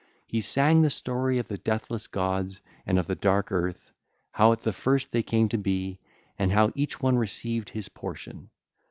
He sang the story of the deathless gods and of the dark earth, how at the first they came to be, and how each one received his portion.